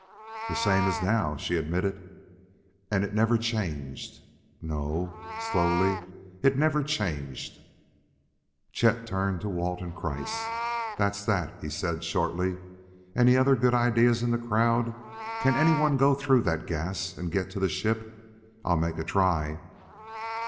"The same as now," she admitted. "And it never changed." "No," slowly "it never changed." Chet turned to Walt and Kreiss. "That's that," he said shortly. "Any other good ideas in the crowd? Can anyone go through that gas and get to the ship? I'll make a try."